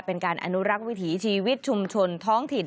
เป็นการอนุรักษ์วิถีชีวิตชุมชนท้องถิ่น